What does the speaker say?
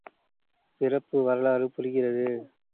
பிறப்பு வரலாறு புரிகிறது!